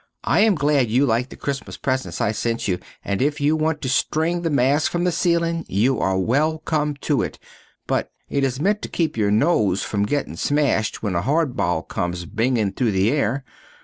I am glad you like the Cristmas presents I sent you and if you want to string the mask from the ceilin you are well come to it, but it is ment to keep your nose from gettin smasht when a hard ball comes bingin through the air.